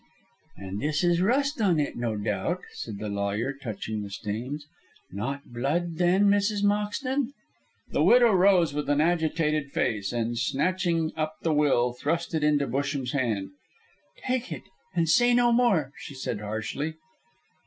"And this is rust on it, no doubt," said the lawyer, touching the stains. "Not blood, then, Mrs. Moxton?" The widow rose with an agitated face, and, snatching up the will, thrust it into Busham's hand. "Take it, and say no more," she said harshly.